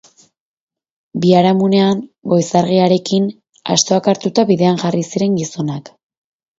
Biharamunean, goiz-argiarekin, astoak hartuta bidean jarri ziren gizonak.